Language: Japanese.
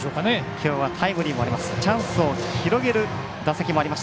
きょうはタイムリーもあります。